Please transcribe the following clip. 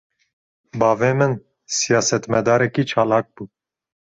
Bavê min, siyasetmedarekî çalak bû